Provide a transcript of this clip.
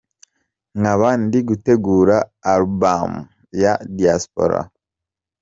Nkaba ndi gutegura Album ya “Diaspora”.